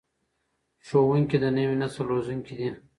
ښوونکي د نوي نسل روزونکي دي.